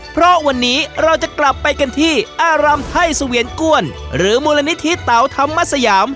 เพราะวันนี้เราจะกลับไปกันที่อารามไทยเสวียนก้วนหรือมูลนิธิเตาธรรมสยาม